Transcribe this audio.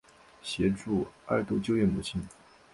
协助二度就业母亲